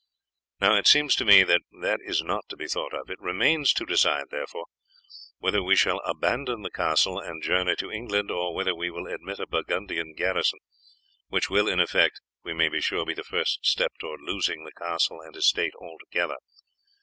Now it seems to me that that is not to be thought of. It remains to decide, therefore, whether we shall abandon the castle and journey to England, or whether we will admit a Burgundian garrison, which will in fact, we may be sure, be the first step towards losing the castle and estate altogether.